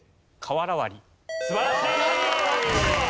素晴らしい！